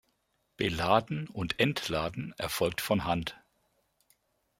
Beladen und Entladen erfolgt von Hand.